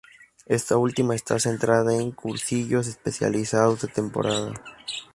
Esta última está centrada en cursillos especializados de temporada.